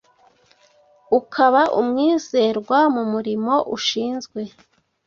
ukaba umwizerwa mu murimo ushinzwe.